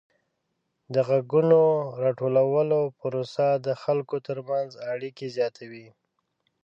د غږونو راټولولو پروسه د خلکو ترمنځ اړیکه زیاتوي.